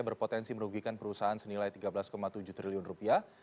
berpotensi merugikan perusahaan senilai tiga belas tujuh triliun rupiah